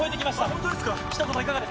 本当ですか。